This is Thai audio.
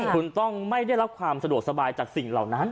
คุณต้องไม่ได้รับความสะดวกสบายจากสิ่งเหล่านั้น